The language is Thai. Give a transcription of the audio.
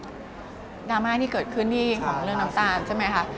ดราม่าที่เกิดขึ้นที่ของเรื่องน้ำตาลใช่ไหมคะ